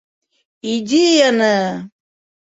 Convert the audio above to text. Идеяны!